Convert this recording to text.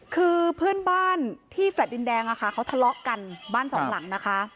คือเพื่อนบ้านที่แฟลต์ดินแดงอะค่ะเขาทะเลาะกันบ้านสองหลังนะคะ